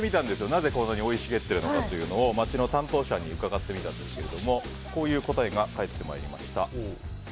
なぜそんなに生い茂っているのか町の担当者に伺ってみたんですけどこういう答えが返ってまいりました。